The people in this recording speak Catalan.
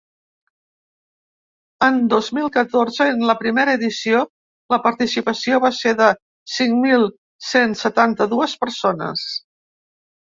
En dos mil catorze, en la primera edició, la participació va ser de cinc mil cent setanta-dues persones.